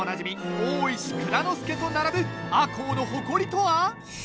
大石内蔵助と並ぶ赤穂の誇りとは。